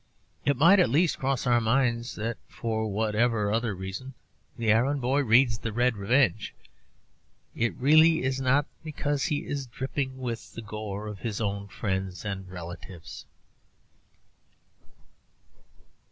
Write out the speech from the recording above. It might at least cross our minds that, for whatever other reason the errand boy reads 'The Red Revenge,' it really is not because he is dripping with the gore of his own friends and relatives.